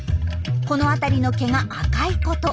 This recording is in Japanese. この辺りの毛が赤いこと。